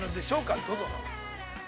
どうぞ。